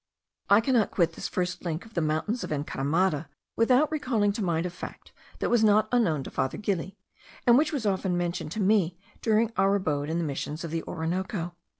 I cannot quit this first link of the mountains of Encaramada without recalling to mind a fact that was not unknown to Father Gili, and which was often mentioned to me during our abode in the Missions of the Orinoco.